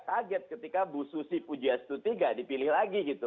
agak kaget ketika bu susi pujiastu iii dipilih lagi gitu